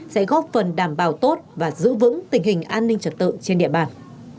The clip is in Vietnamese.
sẽ góp phần đảm bảo tốt và giữ vững tình hình an ninh trật tự trên địa bàn